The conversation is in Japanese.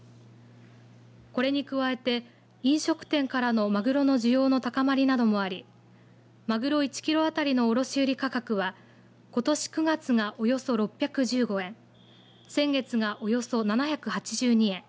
これに加えて飲食店からのマグロの需要の高まりなどもありマグロ１キロ当たりの卸売価格はことし９月がおよそ６１５円先月が、およそ７８２円